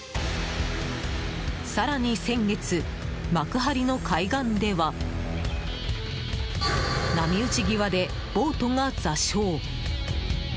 更に先月、幕張の海岸では波打ち際でボートが座礁。